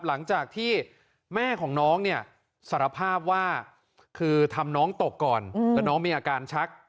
หลังจากที่แม่ของน้องเนี่ยสารภาพว่าคือทำน้องตกก่อนแล้วน้องมีอาการชัก